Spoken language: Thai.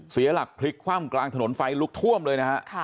เสียหลักพลิกคว่ำกลางถนนไฟลุกท่วมเลยนะฮะ